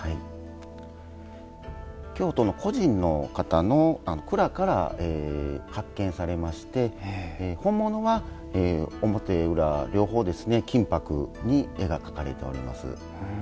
京都の個人の方の蔵から発見されまして、本物は表裏両方、金ぱくに絵が描かれております。